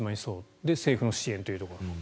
で、政府の支援というところ。